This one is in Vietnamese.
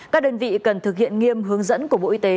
các đơn vị cần thực hiện nghiêm hướng dẫn của bộ y tế